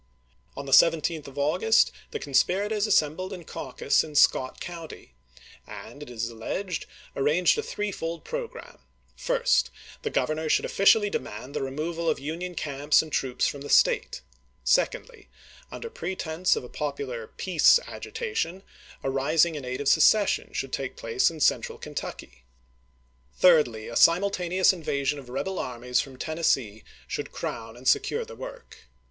On the 17th of August the conspirators june!T862. assembled in caucus in Scott County, and, it is alleged, arranged a threefold programme; first, the Grovernor should officially demand the re moval of Union camps and troops from the State ; secondly, under pretense of a popular "peace" agitation, a rising in aid of secession should take place in central Kentucky ; thirdly, a simultaneous JOHN J. CRITTENDEN. KENTUCKY 241 invasion of rebel armies from Tennessee should chap, xil crown and secure the work.